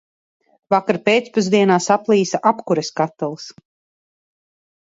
Vakar pēcpusdienā saplīsa apkures katls.